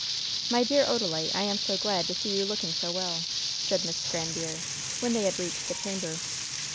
"My dear Odalite, I am so glad to see you looking so well," said Miss Grandiere, when they had reached the chamber.